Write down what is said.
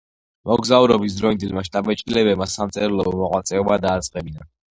მოგზაურობის დროინდელმა შთაბეჭდილებებმა სამწერლობო მოღვაწეობა დააწყებინა.